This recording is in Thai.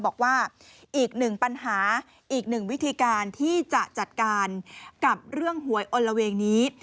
บอกว่าอีกหนึ่งปัญหาอีกหนึ่งวิธีการที่จะจัดการกับเรื่องหวยอลละเวงนี้